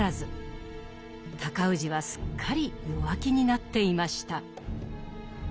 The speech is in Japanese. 尊氏はすっかり弱気になっていました。